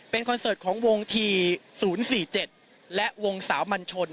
เป็นคอนเสิร์ตของวงที๐๔๗และวงสาวมันชน